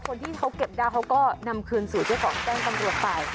คนที่เขาเก็บได้เขาก็นำคืนสู่เจ้าของแจ้งตำรวจไป